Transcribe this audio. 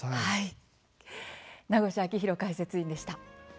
名越章浩解説委員でした。